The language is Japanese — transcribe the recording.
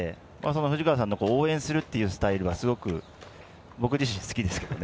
藤川さんの応援するというスタイルは僕自身、好きですね。